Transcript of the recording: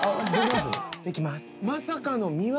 できます